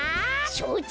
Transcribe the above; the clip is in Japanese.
しょうち！